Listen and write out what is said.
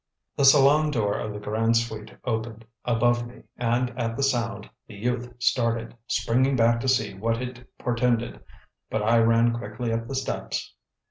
The salon door of the "Grand Suite" opened, above me, and at the sound, the youth started, springing back to see what it portended, but I ran quickly up the steps.